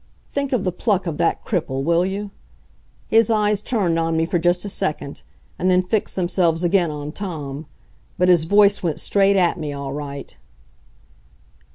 Think of the pluck of that cripple, will you? His eyes turned on me for just a second, and then fixed themselves again on Tom. But his voice went straight at me, all right.